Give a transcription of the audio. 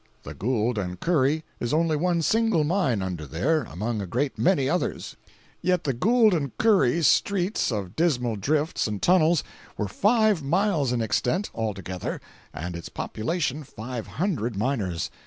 The Gould and Curry is only one single mine under there, among a great many others; yet the Gould and Curry's streets of dismal drifts and tunnels were five miles in extent, altogether, and its population five hundred miners.